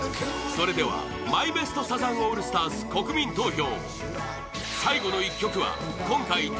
それではマイベストサザンオールスターズ国民投票